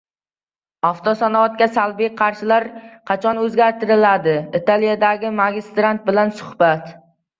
Avtosanoatga salbiy qarashlar qachon o‘zgaradi? Italiyadagi magistrant bilan suhbat